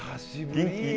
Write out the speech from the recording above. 元気？